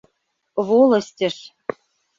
— Волостьыш.